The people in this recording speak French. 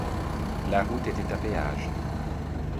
La route était à péage.